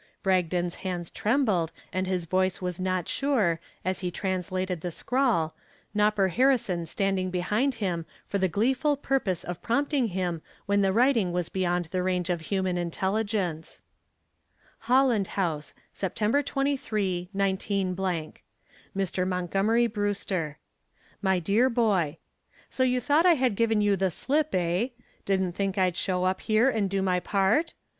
Bragdon's hands trembled and his voice was not sure as he translated the scrawl, "Nopper" Harrison standing behind him for the gleeful purpose of prompting him when the writing was beyond the range of human intelligence: HOLLAND HOUSE, Sept. 23, 19 "MR. MONTGOMERY BREWSTER, "My Dear Boy: "So you thought I had given you the slip, eh? Didn't think I'd show up here and do my part?